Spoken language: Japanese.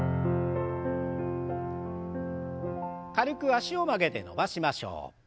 軽く脚を曲げて伸ばしましょう。